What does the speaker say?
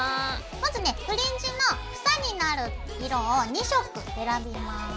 まずねフリンジの房になる色を２色選びます。